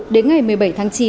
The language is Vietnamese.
đến ngày một mươi bảy tháng chín